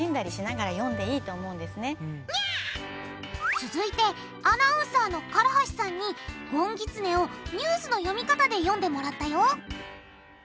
続いてアナウンサーの唐橋さんに「ごんぎつね」をニュースの読み方で読んでもらったよ！